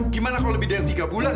gimana kalau lebih dari tiga bulan